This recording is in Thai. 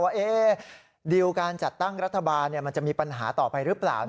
ดิวการจัดตั้งรัฐบาลมันจะมีปัญหาต่อไปหรือเปล่า